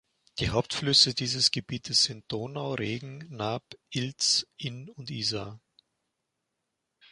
Die Hauptflüsse dieses Gebietes sind Donau, Regen, Naab, Ilz, Inn und Isar.